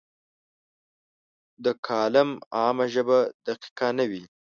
د کالم عامه ژبه دقیقه نه وي.